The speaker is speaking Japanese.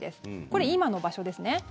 これ、今の場所ですね。